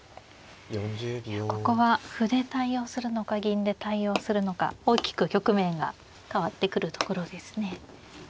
いやここは歩で対応するのか銀で対応するのか大きく局面が変わってくるところですね。